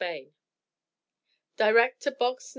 BAYNE. Direct to Box No.